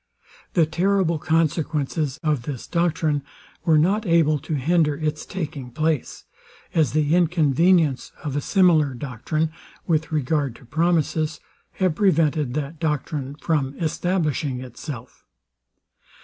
The terrible consequences of this doctrine were not able to hinder its taking place; as the inconvenience of a similar doctrine, with regard to promises, have prevented that doctrine from establishing itself.